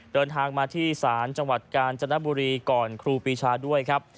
เดินทางมาที่ศาลจังหวัดกาญจนบุรีก่อนครูปีชาด้วยครับ